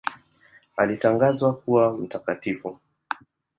Alitangazwa kuwa mtakatifu.